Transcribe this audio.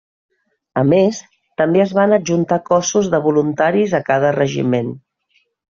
A més, també es van adjuntar cossos de voluntaris a cada regiment.